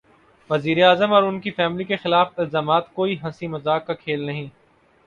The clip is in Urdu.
وزیر اعظم اور ان کی فیملی کے خلاف الزامات کوئی ہنسی مذاق کا کھیل نہیں۔